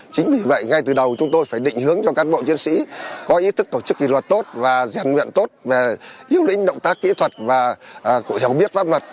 chính vì vậy ngay từ đầu chúng tôi phải định hướng cho các bộ chiến sĩ có ý thức tổ chức kỷ luật tốt và giàn nguyện tốt về yêu lĩnh động tác kỹ thuật và hiểu biết pháp luật